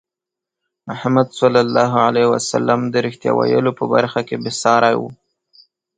محمد صلى الله عليه وسلم د رښتیا ویلو په برخه کې بې ساری وو.